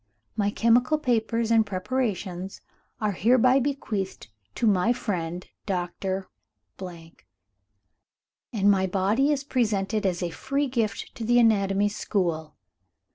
My chemical papers and preparations are hereby bequeathed to my friend Doctor , and my body is presented as a free gift to the anatomy school.